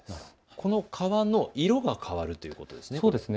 この川の色が変わるということですね。